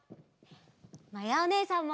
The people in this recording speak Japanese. まやおねえさんも！